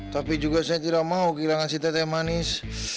tapi juga saya tidak mau kehilangan si teteh manis